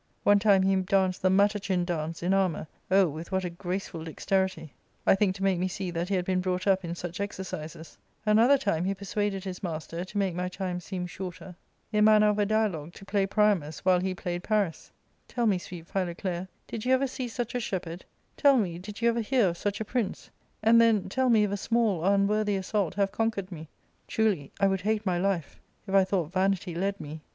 " One time he danced the matachin dance* in armour — oh, with what a graceful dexterity !— I think to make me see that he had been brought up in such exercises. Another time he persuaded his master, to make my time seem shorter, • Matachin dance — see note previously given, p. 88. ARCADlA.—Book IL 143 in manner of a dialogue, to play Priamus, while he played Paris. Tell me, sweet Philoclea, did you ever see such a shepherd ? Tell me, did you ever hear of such a prince ?\ And then tell me if a small or unworthy assault have con \ quered me. Truly, I would hate my life if I thought vanity * led me.